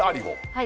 はい